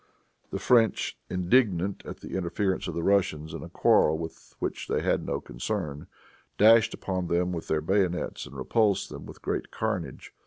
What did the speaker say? The French, indignant at the interference of the Russians in a quarrel with which they had no concern, dashed upon them with their bayonets, and repulsed them with great carnage.